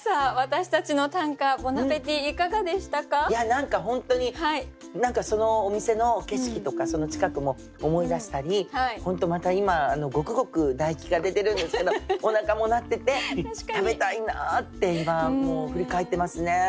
何か本当にそのお店の景色とかその近くも思い出したり本当また今ゴクゴク唾液が出てるんですけどおなかも鳴ってて食べたいなって今もう振り返ってますね。